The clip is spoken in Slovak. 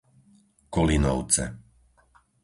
Kolinovce